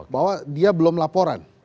bahwa dia belum laporan